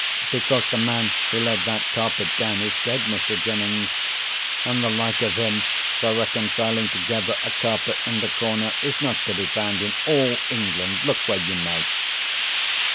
"Because the man who laid that carpet down is dead, Mr. Jennings—and the like of him for reconciling together a carpet and a corner, is not to be found in all England, look where you may."